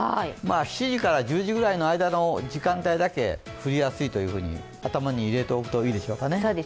７時から１０時ぐらいの間の時間帯だけ降りやすいと頭に入れておくといいでしょうかね。